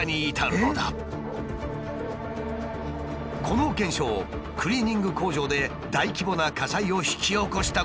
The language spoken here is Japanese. この現象クリーニング工場で大規模な火災を引き起こしたこともある。